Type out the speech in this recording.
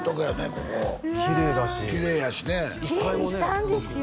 ここきれいだしきれいやしねきれいにしたんですよ